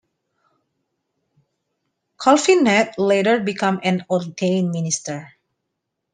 Calvin Natt later became an ordained minister.